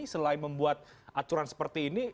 selain membuat aturan seperti ini